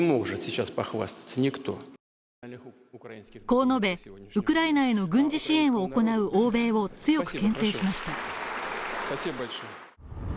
こう述べ、ウクライナへの軍事支援を行う欧米を強く牽制しました。